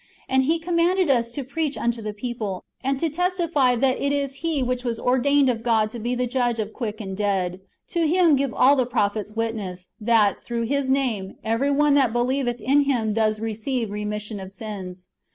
And He commanded us to preach unto the people, and to testify that it is He which was ordained of God to be the Judge of quick and dead. To Him give all the prophets witness, that, through His name, every one that believeth in Him does receive remission of sins."